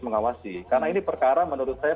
mengawasi karena ini perkara menurut saya